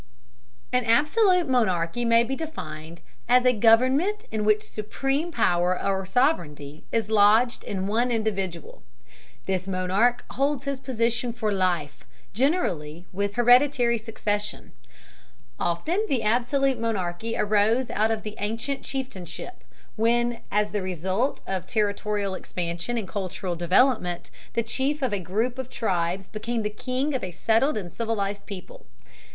An absolute monarchy may be defined as a government in which supreme power or sovereignty is lodged in one individual. This monarch holds his position for life, generally with hereditary succession. Often the absolute monarchy arose out of the ancient chieftainship, when, as the result of territorial expansion and cultural development, the chief of a group of tribes became the king of a settled and civilized people.